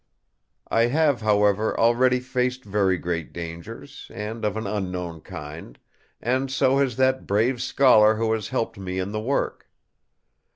I have, however, already faced very great dangers, and of an unknown kind; and so has that brave scholar who has helped me in the work.